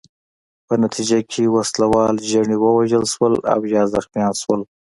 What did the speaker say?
په نتیجه کې وسله وال ژڼي ووژل شول او یا زخمیان شول.